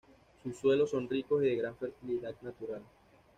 Sus suelos son ricos y de gran fertilidad natural.